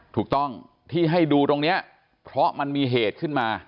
ถูกต้องที่ให้ดูตรงนี้เพราะมันมีเหตุขึ้นมา